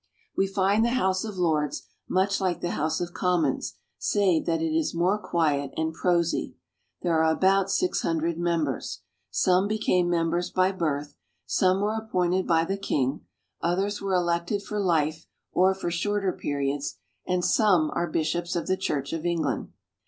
We find the House of Lords much like the House of Commons, save that it is more quiet and prosy. There are about six hundred members. Some became members by birth, some were appointed by the king, others were elected for life or for shorter periods, and some are bishops of the Church of England.